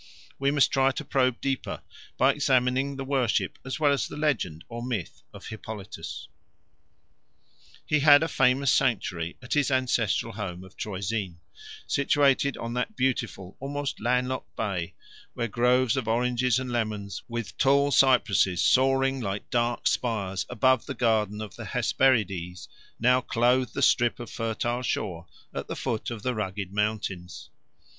We must try to probe deeper by examining the worship as well as the legend or myth of Hippolytus. He had a famous sanctuary at his ancestral home of Troezen, situated on that beautiful, almost landlocked bay, where groves of oranges and lemons, with tall cypresses soaring like dark spires above the garden of Hesperides, now clothe the strip of fertile shore at the foot of the rugged mountains.